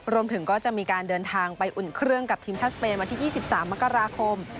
รวมถึงก็จะมีการเดินทางไปอุ่นเครื่องกับทีมชาติสเปนวันที่๒๓มกราคม